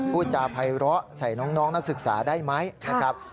พูดจาภัยร้อใส่น้องนักศึกษาได้ไหมนะครับ